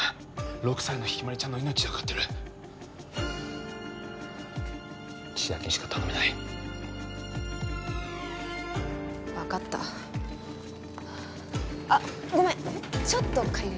６歳の日葵ちゃんの命がかかってる千晶にしか頼めない分かったあっごめんちょっと借りれる？